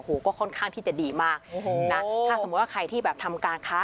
โอ้โหก็ค่อนข้างที่จะดีมากโอ้โหนะถ้าสมมุติว่าใครที่แบบทำการค้า